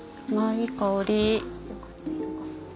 いい香り。